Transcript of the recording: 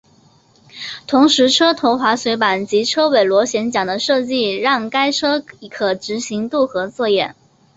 同时车头滑水板及车尾螺旋桨的设计让该车可执行渡河作业。